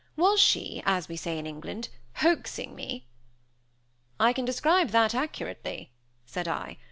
Was she, as we say in England, hoaxing me? "I can describe that accurately," said I.